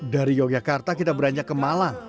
dari yogyakarta kita beranjak ke malang